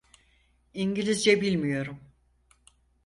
İngilizce bilmiyorum.